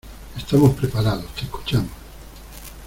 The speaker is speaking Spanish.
estamos preparados, te escuchamos.